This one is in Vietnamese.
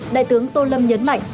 đại tướng tô lâm nhấn mạnh